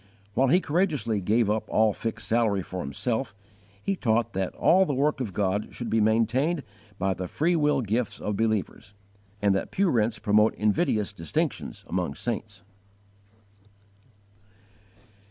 _ While he courageously gave up all fixed salary for himself, he taught that all the work of God should be maintained by the freewill gifts of believers, and that pew rents promote invidious distinctions among saints.